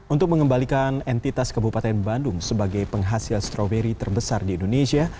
untuk mengembalikan entitas kabupaten bandung sebagai penghasil stroberi terbesar di indonesia